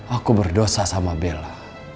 aku berdosa sama bella